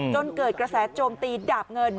จนเกิดกระแสโจมตีดาบเงิน